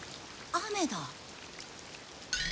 雨だ！